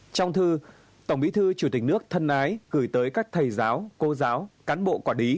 trong thư tổng bí thư chủ tịch nước thân ái gửi tới các thầy giáo cô giáo cán bộ quản lý